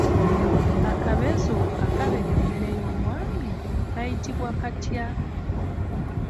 Akabezo akabega emmere y'omwami kayitibwa katya?